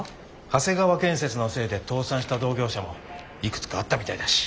長谷川建設のせいで倒産した同業者もいくつかあったみたいだし。